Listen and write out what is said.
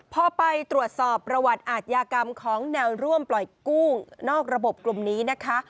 พอไปตรวจสอบประวัติอาทยากรรมของแนวร่วมปล่อยกู้นอกระบบกลุ่มนี้นะคะ